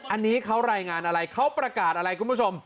อันนี้เขารายงานอะไรเขาประกาศอะไรคุณผู้ชม